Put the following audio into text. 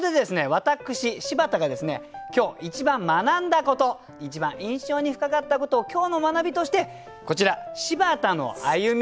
私柴田がですね今日一番学んだこと一番印象に深かったことを今日の学びとしてこちら「柴田の歩み」